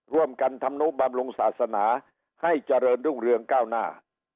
ร่วมกันทำนุบำรุงศาสนาให้เจริญรุ่งเรืองก้าวหน้า